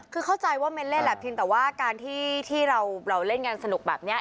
คือเข้าใจว่าเม้นเล่นแหละเพียงแต่ว่าการที่เราเล่นกันสนุกแบบนี้